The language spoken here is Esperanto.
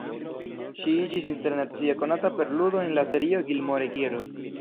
Ŝi iĝis internacie konata per ludo en la serio "Gilmore Girls".